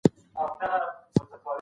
د څېړني په پیل کي د اثر ډول وپېژنئ.